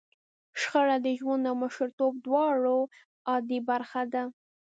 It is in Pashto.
شخړه د ژوند او مشرتوب دواړو عادي برخه ده.